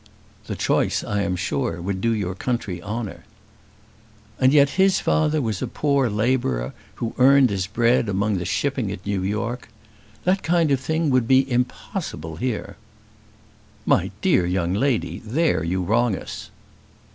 "The choice, I am sure, would do your country honour." "And yet his father was a poor labourer who earned his bread among the shipping at New York. That kind of thing would be impossible here." "My dear young lady, there you wrong us."